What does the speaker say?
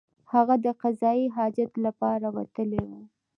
هغه د قضای حاجت لپاره وتلی وو.